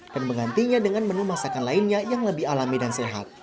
dan menggantinya dengan menu masakan lainnya yang lebih alami dan sehat